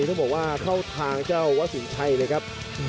ต้องบอกว่าเข้าทางเจ้าวัดสินชัยเลยครับ